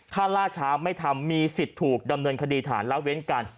ถ้าล่าช้าไม่ทำมีสิทธิ์ถูกดำเนินคดีฐานละเว้นกัน